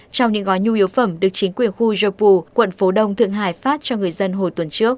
trong những gói nhu yếu phẩm được chính quyền khu jobu quận phú đông thượng hải phát cho người dân hồi tuần trước